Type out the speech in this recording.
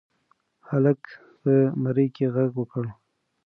هلک په مرۍ کې غږ وکړ.